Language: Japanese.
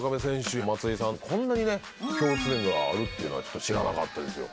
こんなに共通点があるっていうのは知らなかったですよ。